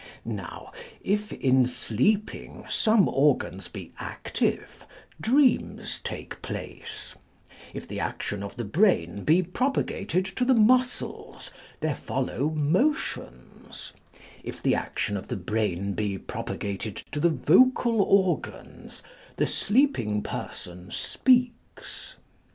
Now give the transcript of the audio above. Now, if in sleeping some organs be active, dreams take place ; if the action of the brain be propagated to the muscles, there follow motions ; if the action of the brain be propagated to the vocal organs, the sleeping person speaks.